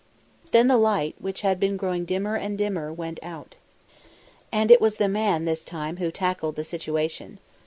Then the light, which had been growing dimmer and dimmer, went out. And it was the man this time who tackled the situation.